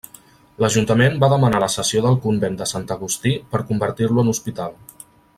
L'Ajuntament va demanar la cessió del convent de Sant Agustí per convertir-lo en hospital.